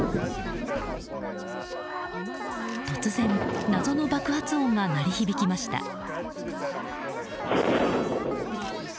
突然、謎の爆発音が鳴り響きました。